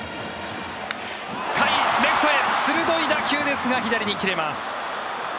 甲斐、レフトへ鋭い打球ですが左に切れます。